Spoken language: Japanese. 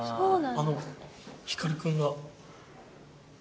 あの光君が。